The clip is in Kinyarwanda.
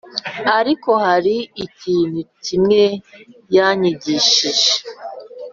ariko hari ikintu kimwe yanyigishije